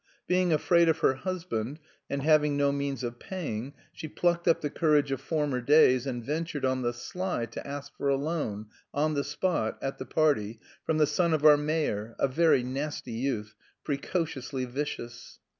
Being afraid of her husband, and having no means of paying, she plucked up the courage of former days and ventured on the sly to ask for a loan, on the spot, at the party, from the son of our mayor, a very nasty youth, precociously vicious.